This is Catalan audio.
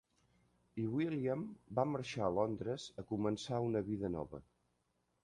I William va marxar a Londres, a començar una vida nova.